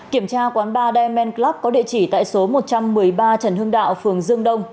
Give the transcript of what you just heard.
kiểm tra quán ba dman club có địa chỉ tại số một trăm một mươi ba trần hưng đạo phường dương đông